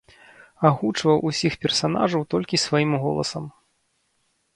Агучваў усіх персанажаў толькі сваім голасам.